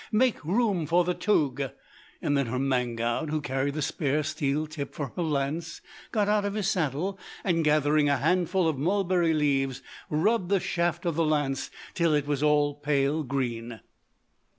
Make room for the toug!' "Then her Manggoud, who carried the spare steel tip for her lance, got out of his saddle and, gathering a handful of mulberry leaves, rubbed the shaft of the lance till it was all pale green.